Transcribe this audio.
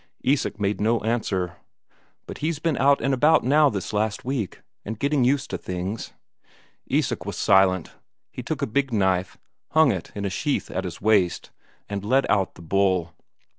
Isak made no answer. "But he's been out and about now this last week, and getting used to things." Isak was silent. He took a big knife, hung it in a sheath at his waist, and led out the bull.